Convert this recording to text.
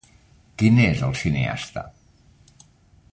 Qui n'és el cineasta?